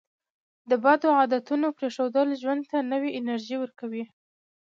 د بدو عادتونو پرېښودل ژوند ته نوې انرژي ورکوي.